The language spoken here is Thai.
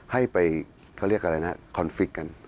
ให้ไปเขาเรียกอะไรนะคอนฟิกต์กัน